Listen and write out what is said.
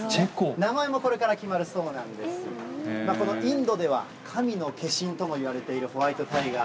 名前もこれから決まるそうなんですが、このインドでは神の化身ともいわれているホワイトタイガー。